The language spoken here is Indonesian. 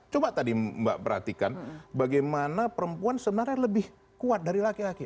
coba tadi mbak perhatikan bagaimana perempuan sebenarnya lebih kuat dari laki laki